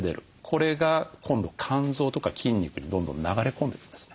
これが今度肝臓とか筋肉にどんどん流れ込んでいくんですね。